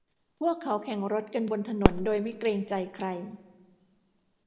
พวกเขาแข่งรถกันบนถนนโดยไม่เกรงใจใคร